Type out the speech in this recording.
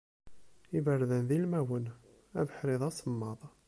Iberdan d ilmawen, abeḥri d asemmaḍ.